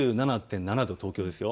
２７．７度、東京。